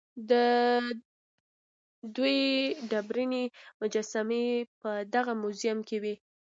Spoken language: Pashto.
د دوی ډبرینې مجسمې په دغه موزیم کې وې.